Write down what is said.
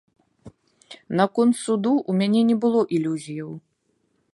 Наконт суду ў мяне не было ілюзіяў.